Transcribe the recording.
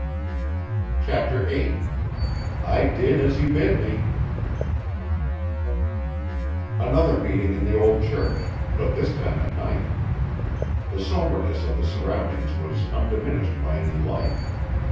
CHAPTER VIII "I did as you bid me" Another meeting in the old church, but this time at night. The somberness of the surroundings was undiminished by any light.